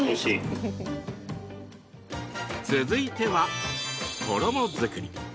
続いては衣作り。